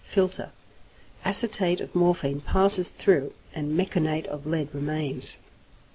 Filter. Acetate of morphine passes through, and meconate of lead remains.